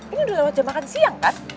ini udah lewat jam makan siang kan